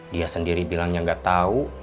dia sendiri bilangnya nggak tahu